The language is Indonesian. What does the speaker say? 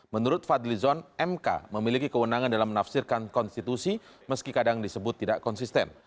menurut fadli zon mk memiliki kewenangan dalam menafsirkan konstitusi meski kadang disebut tidak konsisten